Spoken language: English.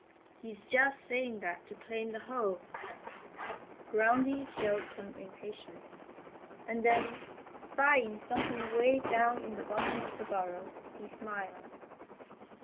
He's just saying that to claim the hole." Groundy showed some impatience, and then spying something way down in the bottom of the burrow he smiled.